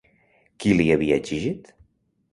Qui li hi havia exigit?